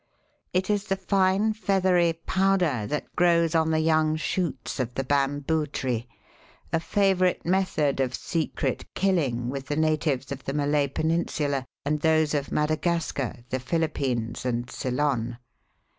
It is the fine, feathery powder that grows on the young shoots of the bamboo tree a favourite method of secret killing with the natives of the Malay Peninsula and those of Madagascar, the Philippines and Ceylon.